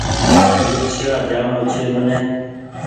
ڀيٽ شاه جآڻو ڇي مني ۔